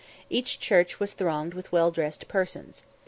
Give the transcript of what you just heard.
Each church was thronged with well dressed persons.